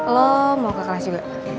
lo mau ke kelas juga